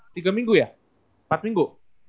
tiga minggu ya empat minggu